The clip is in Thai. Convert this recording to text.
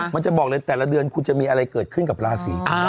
มันจะบอกเลยแต่ละเดือนคุณจะมีอะไรเกิดขึ้นกับราศี